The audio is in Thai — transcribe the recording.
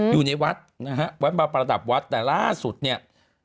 อยู่ในวัดบราปรดับวัดแต่ล่าสุดเนี่ย